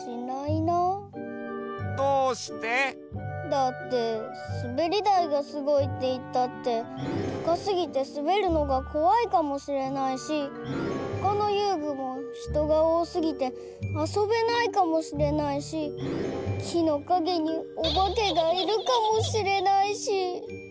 だってすべりだいがすごいっていったってたかすぎてすべるのがこわいかもしれないしほかのゆうぐもひとがおおすぎてあそべないかもしれないしきのかげにおばけがいるかもしれないし。